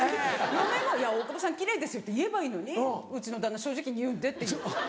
嫁も「いや大久保さん奇麗ですよ」って言えばいいのに「うちの旦那正直に言うんで」っていう。